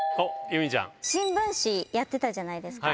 おっ、新聞紙、やってたじゃないですか。